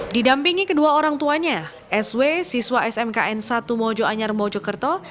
didampingi kedua orang tuanya sw siswa smkn satu mojoanyar mojokerto